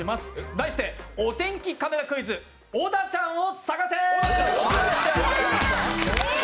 題してお天気カメラクイズ「オダチャンを探せ！」